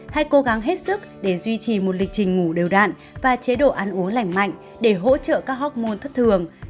hãy cố gắng hết sức để duy trì một lịch trình ngủ đều đạn và chế độ ăn uống lành mạnh để hỗ trợ các hóc môn thất thường